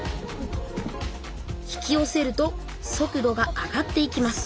引きよせると速度が上がっていきます